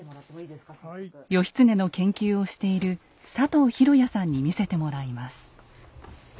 義経の研究をしている佐藤弘弥さんに見せてもらいます。